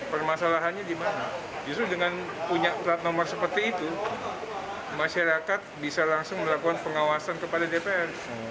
permasalahannya di mana justru dengan punya plat nomor seperti itu masyarakat bisa langsung melakukan pengawasan kepada dpr